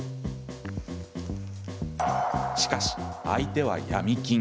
しかし、相手はヤミ金。